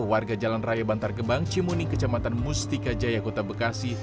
warga jalan raya bantar gebang cimuni kecamatan mustika jaya kota bekasi